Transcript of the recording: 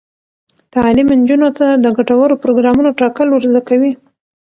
تعلیم نجونو ته د ګټورو پروګرامونو ټاکل ور زده کوي.